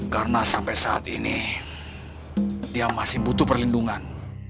karena sampai saat ini dia masih butuh perlindungan